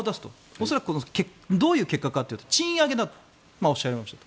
恐らく、どういう結果かというと賃上げだとおっしゃいましたと。